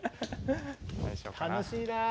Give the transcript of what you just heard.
楽しいなぁ。